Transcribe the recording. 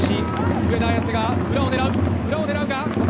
上田綺世が裏を狙う。